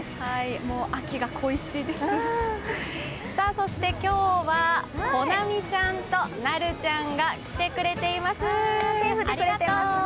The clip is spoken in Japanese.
そして今日はこなみちゃんと、なるちゃんが来てくれてます、ありがとう！